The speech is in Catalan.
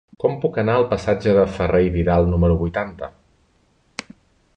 Com puc anar al passatge de Ferrer i Vidal número vuitanta?